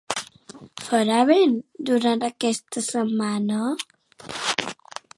Farà vent durant aquesta setmana?